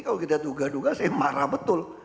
kalau kita duga duga saya marah betul